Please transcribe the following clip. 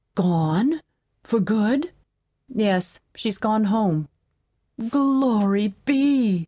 "Gone for good?" "Yes, she's gone home." "Glory be!"